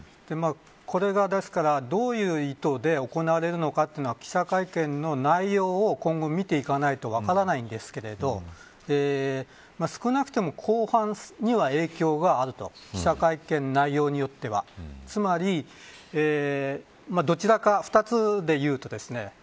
これが、ですからどういう意図で行われるのかというのは、記者会見の内容を今後、見ていかないと分からないんですけれども少なくとも公判には影響があると記者会見の内容によってはつまりどちらか二つでいうとですね